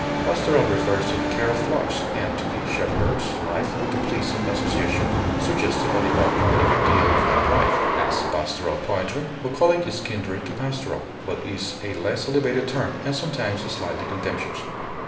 Pastoral refers to the care of flocks, and to the shepherd's life with the pleasing associations suggested by the old poetic ideal of that life; as, pastoral poetry. Bucolic is kindred to pastoral, but is a less elevated term, and sometimes slightly contemptuous.